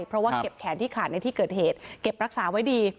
เพราะว่าเก็บแขนที่ขาดในที่เกิดเหตุเก็บรักษาไว้ดี